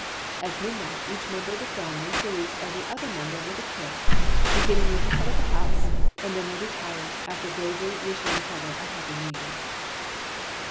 At midnight, each member of the family salutes every other member with a kiss, beginning with the head of the house, and then they retire, after gravely wishing each other a Happy New Year.